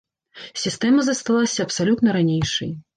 Сістэма засталася абсалютна ранейшай.